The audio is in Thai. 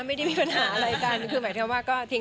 ไม่ได้มีปัญหาอะไรกัน